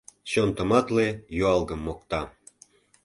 Чон тыматле юалгым мокта.